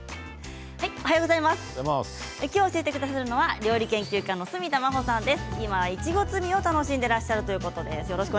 今日、教えてくださるのは料理研究家の角田真秀さんです。